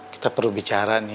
kita perlu bicara nih